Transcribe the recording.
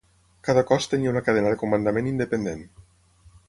Cada cos tenia una cadena de comandament independent.